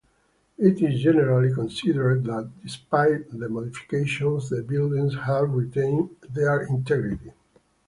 It is generally considered that despite the modifications the buildings have retained their integrity.